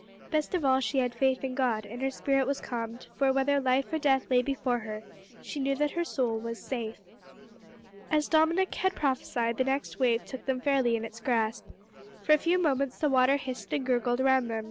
Best of all, she had faith in God, and her spirit was calmed, for, whether life or death lay before her, she knew that her soul was "safe." As Dominick had prophesied, the next wave took them fairly in its grasp. For a few moments the water hissed and gurgled round them.